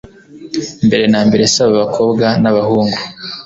mbere nambere saba abakobwa n'abahungu